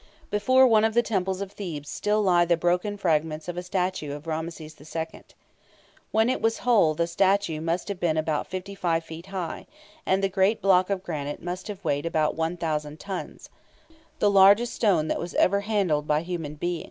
Before one of the temples of Thebes still lie the broken fragments of a statue of Ramses II. When it was whole the statue must have been about 57 feet high, and the great block of granite must have weighed about 1,000 tons the largest single stone that was ever handled by human beings.